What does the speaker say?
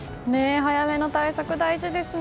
早めの対策、大事ですね。